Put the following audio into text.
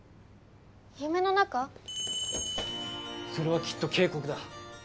それはきっと警告だ！